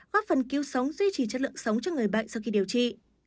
góp phần cứu sống duy trì chất lượng sống cho người bệnh sau khi điều trị